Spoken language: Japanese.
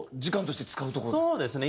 そうですね。